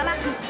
apa di sini